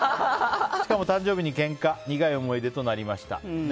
しかも誕生日にけんか苦い思い出となりました。